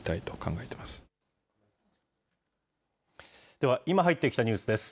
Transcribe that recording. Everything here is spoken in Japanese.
では、今入ってきたニュースです。